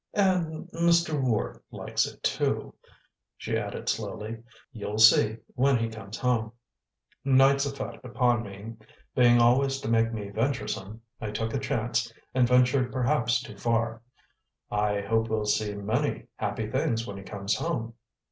"And Mr. Ward likes it, too," she added slowly. "You'll see, when he comes home." Night's effect upon me being always to make me venturesome, I took a chance, and ventured perhaps too far. "I hope we'll see many happy things when he comes home."